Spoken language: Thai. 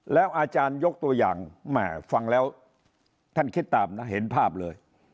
แล้วอาจารยกตัวอย่างแหม่ฟังแล้วท่านคิดตามนะเห็นภาพเลย